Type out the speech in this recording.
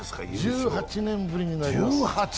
１８年ぶりになります。